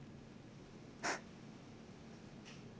フッ。